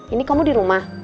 ini kamu di rumah